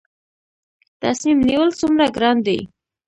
تصمیم نیول څومره ګران دي؟